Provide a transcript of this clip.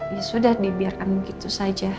ya sudah dibiarkan begitu saja